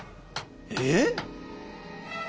えっ！？